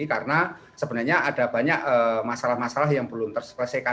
karena sebenarnya ada banyak masalah masalah yang belum terseleka